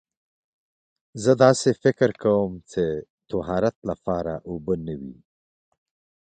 زه داسې فکر کوم چې طهارت لپاره اوبه نه وي.